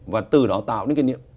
và từ đó tạo nên cái niệm